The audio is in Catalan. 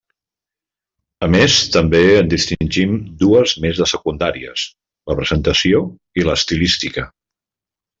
A més, també en distingim dues més de secundàries, la presentació i l'estilística.